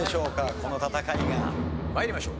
この戦いが。参りましょう。